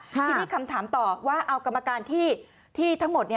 ทีนี้คำถามต่อว่าเอากรรมการที่ทั้งหมด